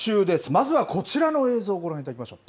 まずはこちらの映像、ご覧いただきましょう。